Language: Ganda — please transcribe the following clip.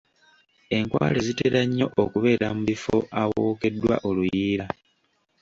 Enkwale zitera nnyo okubeera mu bifo awookeddwa oluyiira.